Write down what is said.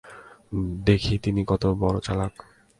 দেখি তিনি কতবড়ো চালাক।